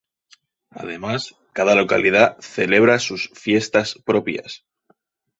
Además cada localidad celebra sus fiestas propias.